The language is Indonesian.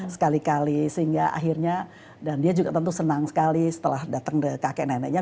sekali kali sehingga akhirnya dan dia juga tentu senang sekali setelah datang kakek neneknya